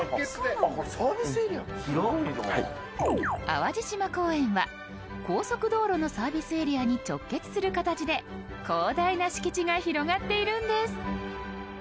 淡路島公園は高速道路のサービスエリアに直結する形で広大な敷地が広がっているんです。